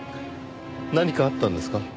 何かあったんですか？